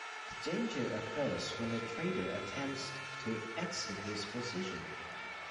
The danger occurs when the trader attempts to exit his position.